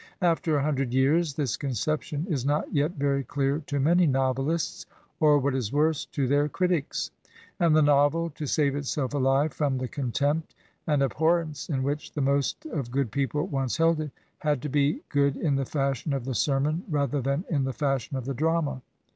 After a himdred years this conception is not yet very cle^r to many novelists, or, what is worse, to their critics ; and the novel, to save itself aUve from the contempt and abhorrence in which the most of good pec^le once held it, had to be good in the fashion of the sermon rather than in the fashion pf the drama.